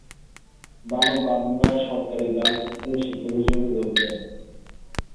বানু পাবনা সরকারি গার্লস স্কুলে শিক্ষক হিসেবে যোগ দেন।